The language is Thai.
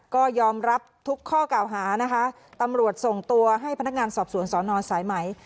ก็ยอมรับทุกข้อกล่าวหานะคะตำรวจส่งตัวให้พนักงานสอบสวนสอนอนสายไหม